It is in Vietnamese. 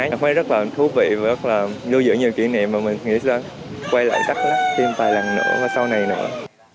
mình thấy rất là thú vị và rất là lưu giữ nhiều kỷ niệm và mình nghĩ sẽ quay lại đắk lắk thêm vài lần nữa và sau này nữa